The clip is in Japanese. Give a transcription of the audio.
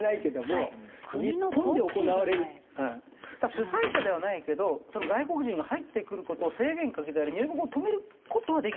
主催者ではないけど外国人が入ってくる事を制限かけたり入国を止める事はできるわけじゃないですか。